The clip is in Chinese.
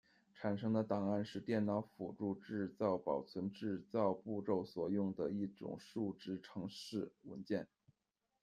产生的档案是电脑辅助制造保存制造步骤所用的一种数值程式文件。